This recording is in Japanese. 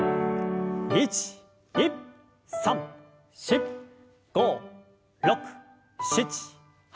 １２３４５６７８。